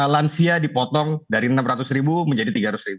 lansia dipotong dari rp enam ratus ribu menjadi tiga ratus